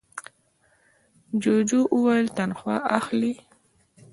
جوجو وویل تنخوا اخلې؟